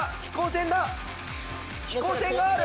飛行船がある！